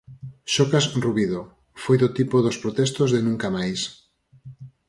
Xocas Rubido: Foi do tipo dos protestos de Nunca Máis.